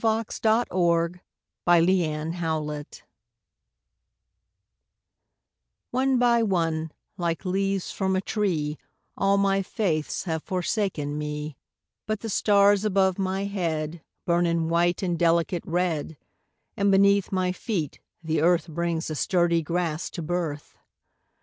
1917. Leaves By Sara Teasdale ONE by one, like leaves from a tree, All my faiths have forsaken me; But the stars above my headBurn in white and delicate red, And beneath my feet the earthBrings the sturdy grass to birth.